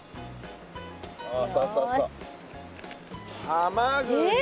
ハマグリ。